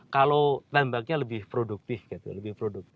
kalau tambaknya lebih produktif gitu